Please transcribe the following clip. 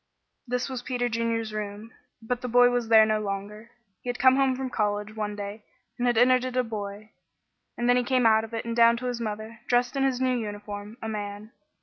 This was Peter Junior's room, but the boy was there no longer. He had come home from college one day and had entered it a boy, and then he came out of it and down to his mother, dressed in his new uniform a man.